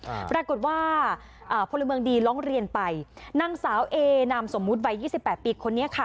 อ่าปรากฏว่าอ่าพลเมืองดีร้องเรียนไปนางสาวเอนามสมมุติวัยยี่สิบแปดปีคนนี้ค่ะ